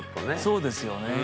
そうですよね。